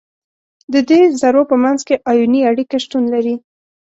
د دې ذرو په منځ کې آیوني اړیکه شتون لري.